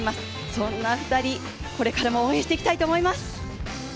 そんな２人、これからも応援していきたいと思います。